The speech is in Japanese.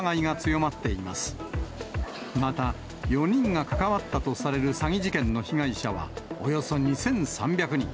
また、４人が関わったとされる詐欺事件の被害者は、およそ２３００人。